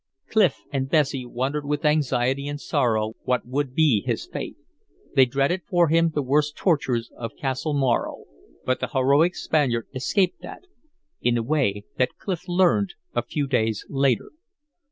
Clif and Bessie wondered with anxiety and sorrow what would be his fate. They dreaded for him the worst tortures of Castle Morro, but the heroic Spaniard escaped that in a way that Clif learned a few days later.